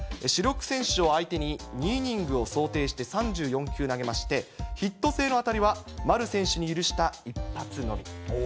主力選手を相手に、２イニングを想定して３４球投げまして、ヒット性の当たりは丸選手に許した一発のみ。